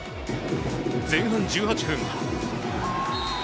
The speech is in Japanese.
前半１８分。